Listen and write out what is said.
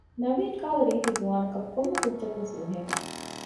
ނަވީން ކަހަލަ ރީތި ޒުވާނަކަށް ކޮންމެކުއްޖަކުވެސް ރުހޭނެ